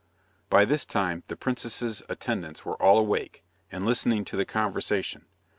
By this time the princess's attendants were all awake, and listening to the conversation.